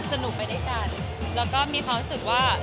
สนุกไปด้วยกันแล้วก็มีความรู้สึกว่า